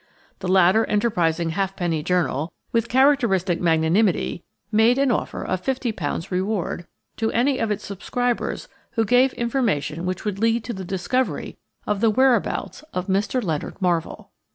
The latter enterprising halfpenny journal, with characteristic magnanimity, made an offer of £50 reward to any of its subscribers who gave information which would lead to the discovery of the whereabouts of Mr. Leonard Marvell.